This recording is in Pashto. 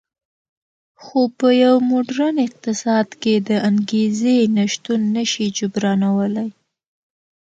خو په یو موډرن اقتصاد کې د انګېزې نشتون نه شي جبرانولی